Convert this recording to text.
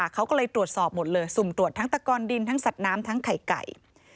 เขาก็เลยตรวจสอบหมดเลยสุ่มตรวจทั้งตะกอนดินทั้งสัตว์น้ำทั้งไข่ไก่